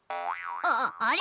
あっあれ？